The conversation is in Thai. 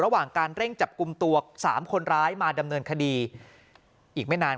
ระหว่างการเร่งจับกลุ่มตัวสามคนร้ายมาดำเนินคดีอีกไม่นาน